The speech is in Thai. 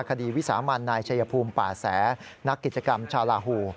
วิสามันนายชัยภูมิป่าแสนักกิจกรรมชาวลาหู